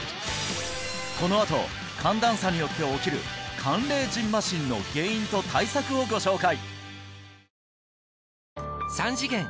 このあと寒暖差によって起きる寒冷じんましんの原因と対策をご紹介！